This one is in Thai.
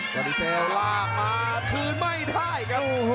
ยอดิเซลลากมาถือไม่ได้ครับ